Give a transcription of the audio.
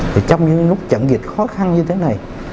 thì trong những lúc chậm dịch khó khăn như thế này